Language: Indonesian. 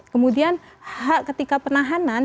kemudian hak ketika penahanan